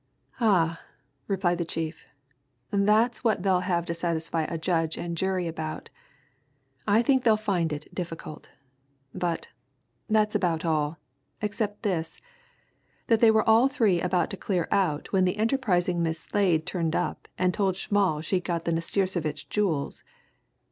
"Ah!" replied the chief. "That's what they'll have to satisfy a judge and jury about! I think they'll find it difficult. But that's about all. Except this that they were all three about to clear out when the enterprising Miss Slade turned up and told Schmall she'd got the Nastirsevitch jewels.